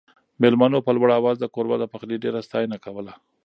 مېلمنو په لوړ اواز د کوربه د پخلي ډېره ستاینه کوله.